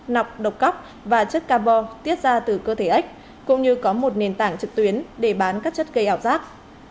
nọc độc cóc và chất carbon tiết ra từ cơ thể ếch cũng như có một nền tảng trực tuyến để bán các chất gây ảo giác